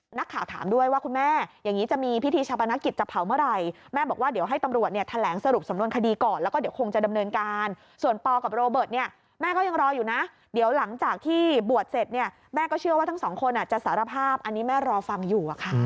อ่ะนักข่าวถามด้วยว่าคุณแม่แบบนี้จะมีพิธีชับอนักกิจจะเผาเมื่อไหร่แม่บอกว่าเดี๋ยวให้ตำรวจเนี่ยแบบถูกแถลงสรุปคดีก่อนแล้วก็จะคงจะดำเนินการส่วนต